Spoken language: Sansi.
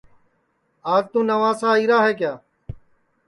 توں آج نوابشاہ آئیرا ہے کیا